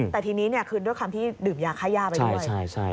แต่ทีนี้คือด้วยความที่ดื่มยาค่าย่าไปด้วย